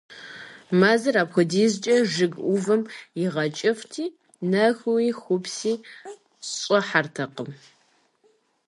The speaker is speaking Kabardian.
Мэзыр апхуэдизкӏэ жыг ӏувым игъэкӏыфӏти, нэхуи-хупси щӏыхьэртэкъым.